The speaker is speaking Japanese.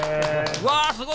うわすごい！